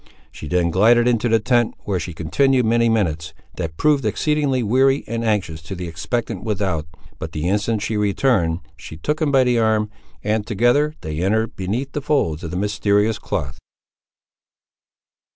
She then glided into the tent, where she continued many minutes, that proved exceedingly weary and anxious to the expectant without, but the instant she returned, she took him by the arm, and together they entered beneath the folds of the mysterious cloth.